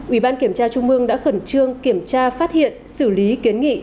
ủy ban kiểm tra trung ương đã khẩn trương kiểm tra phát hiện xử lý kiến nghị